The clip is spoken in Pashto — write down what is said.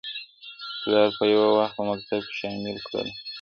o پلار په یو وخت په مکتب کي شامل کړله,